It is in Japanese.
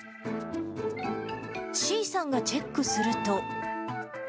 ｓｅａさんがチェックすると。